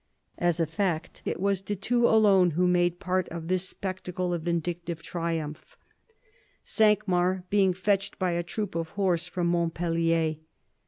As a fact, it was de Thou alone who made part of this spectacle of vindictive triumph, Cinq Mars being fetched by a troop of horse from Montpellier.